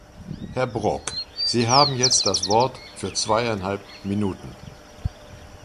Herr Brok, Sie haben jetzt das Wort für zweieinhalb Minuten.